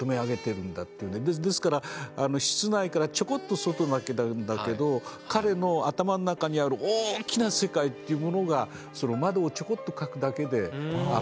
ですから室内からちょこっと外がだけなんだけど彼の頭の中にある大きな世界というものがその窓をちょこっと描くだけで表されてるってことでしょうね。